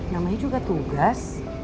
namanya juga tugas